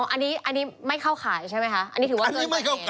อันนี้ไม่เข้าข่ายใช่ไหมคะอันนี้ถือว่าเกินกว่าเหตุ